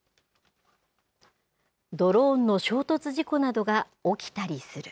ドローンの衝突事故などが起きたりする。